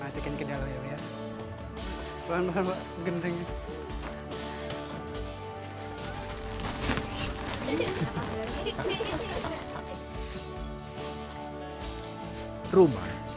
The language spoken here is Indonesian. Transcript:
masukin ke dalam ya bu ya